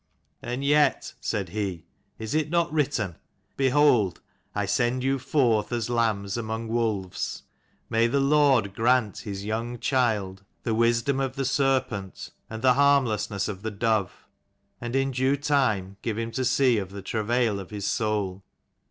"And yet," said he, "is it not written, Behold, I send you forth as lambs among wolves ? May the Lord grant his young z 193 child the wisdom of the serpent and the harm lessness of the dove, and in due time give him to see of the travail of his soul."